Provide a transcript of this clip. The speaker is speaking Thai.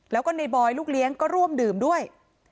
แล้วก็ในบอยลูกเลี้ยงก็ร่วมดื่มด้วย